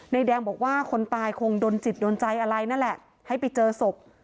แดงบอกว่าคนตายคงโดนจิตโดนใจอะไรนั่นแหละให้ไปเจอศพ